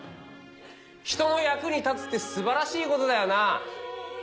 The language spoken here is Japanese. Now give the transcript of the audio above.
人の役に立つってすばらしいことだよな。